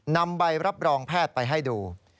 นำใบรับรองแพทย์ไปให้ดู